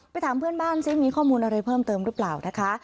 ถามเพื่อนบ้านซิมีข้อมูลอะไรเพิ่มเติมหรือเปล่านะคะ